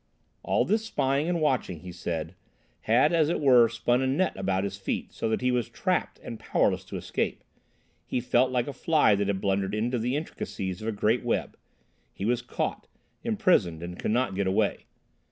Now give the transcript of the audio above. All this spying and watching, he said, had as it were spun a net about his feet so that he was trapped and powerless to escape; he felt like a fly that had blundered into the intricacies of a great web; he was caught, imprisoned, and could not get away.